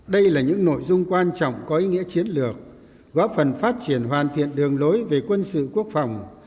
đây là những nội dung quan trọng có ý nghĩa chiến lược góp phần phát triển hoàn thiện đường lối về quân sự quốc phòng